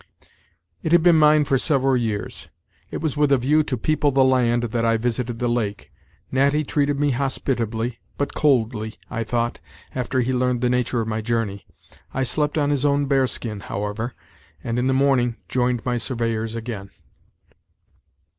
"It had been mine for several years. It was with a view to People the land that I visited the lake. Natty treated me hospitably, but coldly, I thought, after he learned the nature of my journey. I slept on his own bear skin, however, and in the morning joined my surveyors again."